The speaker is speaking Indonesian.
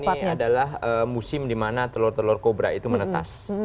jadi memang ini adalah musim di mana telur telur kobra itu menetas